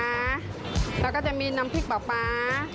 แล้วก็จะมีน้ำพริกปลา